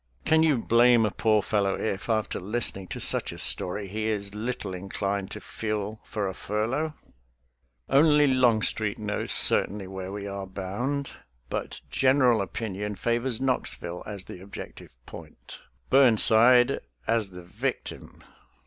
Can you blame a poor fellow if, after listening to such a story, he is little inclined to " feel for a furlough "?••••* Only Longstreet knows certainly where we are bound, but general opinion favors Knoxville as the objective point, Burnside as the victim.